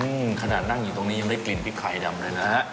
อืมขนาดนั่งอยู่ตรงนี้ยังได้กลิ่นพริกไข่ดำเลยนะฮะ